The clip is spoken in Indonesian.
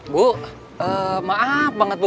bu maaf banget bu